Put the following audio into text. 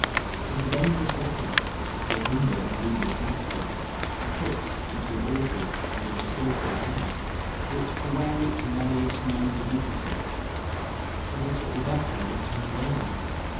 'Tis a dangerous weapon, that will hinder and wound its master, if put into an awkward and unskilful hand: "Ut fuerit melius non didicisse." ["So that it were better not to have learned."